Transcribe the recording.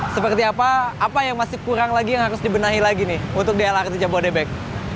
seperti apa apa yang masih kurang lagi yang harus dibenahi lagi nih untuk di lrt jabodebek